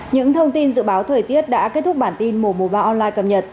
những thông tin dự báo thời tiết đã kết thúc bản tin mùa mùa ba online cập nhật